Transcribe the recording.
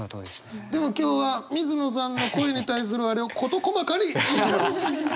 でも今日は水野さんの恋に対するあれを事細かに聞きます。